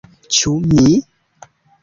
Ĉu mi?